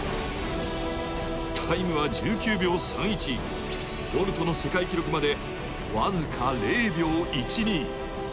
タイムは１９秒３１、ボルトの世界記録まで、僅か０秒１２。